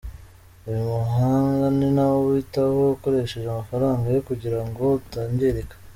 Uyu muhanda ni nawe uwitaho akoresheje amafaranga ye kugira ngo utangirika.